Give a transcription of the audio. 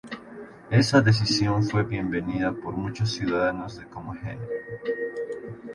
Esa decisión fue bienvenida por muchos ciudadanos de Comagene.